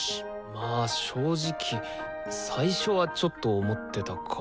まあ正直最初はちょっと思ってたかも。